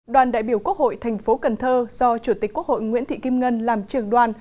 đoàn đại biểu quốc hội thành phố cần thơ do chủ tịch quốc hội nguyễn thị kim ngân làm trường đoàn